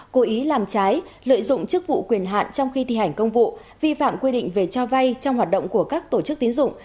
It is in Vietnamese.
cố ý làm trái lợi dụng chức vụ quyền hạn trong khi thi hành công vụ vi phạm quy định về cho vay trong hoạt động của các tổ chức tín dụng